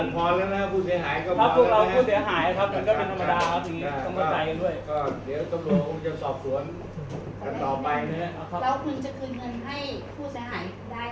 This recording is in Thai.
เพื่อตรวจสอบเรียบร้อยแล้วผมจะแจ้งเลยว่าคุณมาได้